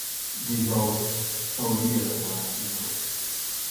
dijous hauria d'anar a Pinós.